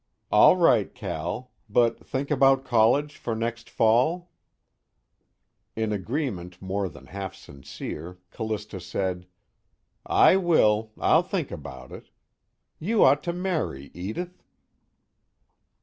"All right, Cal. But think about college for next fall?" In agreement more than half sincere, Callista said: "I will I'll think about it. You ought to marry, Edith."